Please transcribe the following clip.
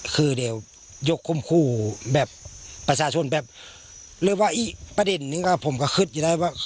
คือเดี๋ยวยกคุมครูแบบภาษาชนแบบเรียกว่าอี้ประเด็นงั้นก็ผมก็คึดอย่างใดว่า